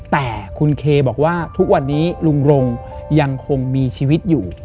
แต่คุณเคบอกว่าทุกวันนี้ลุงรงยังคงมีชีวิตอยู่